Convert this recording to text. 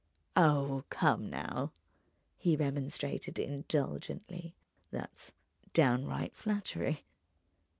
"Oh, come now!" he remonstrated, indulgently—"that's downright flattery."